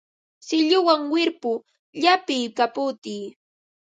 Silluwan wirpu llapiy, kaputiy